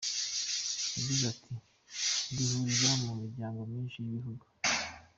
Yagize ati: “Duhurira mu miryango myinshi y’ibihugu.